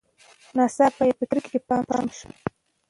ناڅاپه یې په کړکۍ کې پام شو.